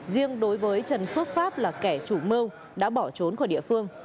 riêng đối với trần phước pháp là kẻ chủ mưu đã bỏ trốn khỏi địa phương